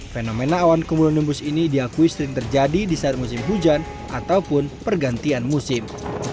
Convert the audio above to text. fenomena awan kumulonembus ini diakui sering terjadi di saat musim hujan ataupun pergantian musim